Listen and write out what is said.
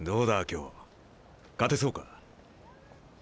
今日勝てそうか？